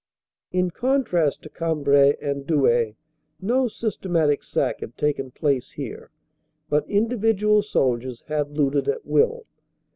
In contrast to Cambrai and Douai, no systematic sack had taken place here, but individual soldiers had looted at will.